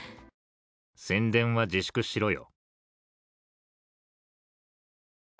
宣伝は自粛しろよ。